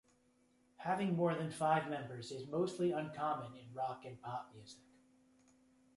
Having more than five members is mostly uncommon in rock and pop music.